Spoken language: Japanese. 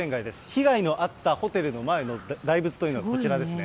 被害のあったホテルの前の大仏というのはこちらですね。